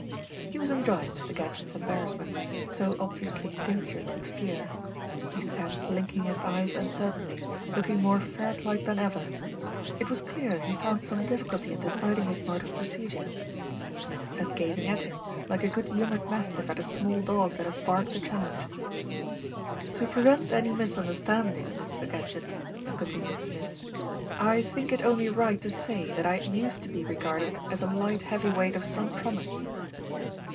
He was enjoying Mr. Gadgett's embarrassment, so obviously tinctured with fear. He sat blinking his eyes uncertainly, looking more ferret like than ever. It was clear he found some difficulty in deciding his mode of procedure. Smith sat gazing at him, like a good humoured mastiff at a small dog that has barked a challenge. "To prevent any misunderstanding, Mr. Gadgett,'* continued Smith, "I think it only right to say that I used to be regarded as a light heavy weight of some promise."